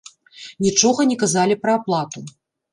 Нічога не казалі пра аплату.